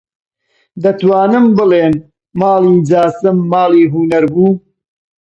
دەتوانم بڵێم ماڵی جاسم ماڵی هونەر بوو: